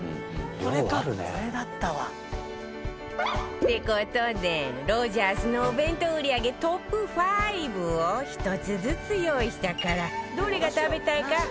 って事でロヂャースのお弁当売り上げトップ５を１つずつ用意したからどれが食べたいか話し合って決めて